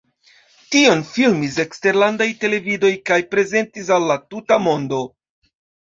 Tion filmis eksterlandaj televidoj kaj prezentis al la tuta mondo.